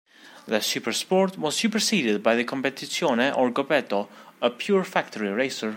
The "super sport" was superseded by the "Competizione" or "Gobbetto", a pure factory racer.